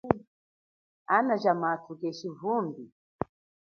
Ana ja mathu keshi nyi vumbi.